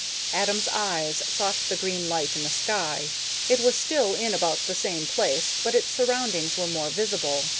Adam's eyes sought the green light in the sky. It was still in about the same place, but its surroundings were more visible.